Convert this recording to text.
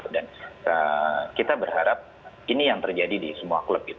kita berharap ini yang terjadi di semua klub